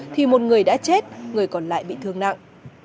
thì một người đã chết người còn lại bị thương nặng